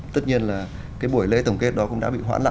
tất nhiên là cái buổi lễ tổng kết đó cũng đã bị hoãn lại